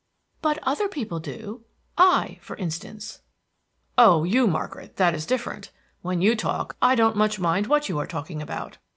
"But other people do. I, for instance." "Oh, you, Margaret; that is different. When you talk I don't much mind what you are talking about."